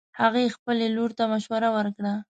هغې خبلې لور ته مشوره ورکړه